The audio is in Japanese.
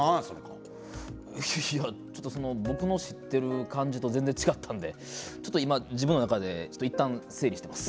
あ、いや、ちょっとその僕の知ってる感じと全然違ったのでちょっと今、自分の中でちょっといったん整理してます。